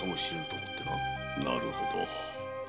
なるほど。